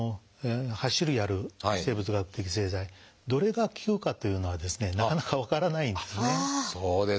８種類ある生物学的製剤どれが効くかというのはなかなか分からないんですね。